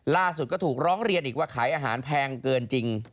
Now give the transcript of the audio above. ล่าสุดก็ถูกร้องเรียนอีกว่าขายอาหารแพงเกินจริง